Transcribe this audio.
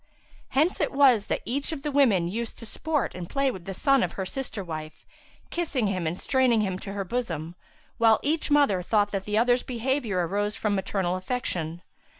[FN#357] Hence it was that each of the women used to sport and play with the son of her sister wife, kissing him and straining him to her bosom, whilst each mother thought that the other's behaviour arose but from maternal affection.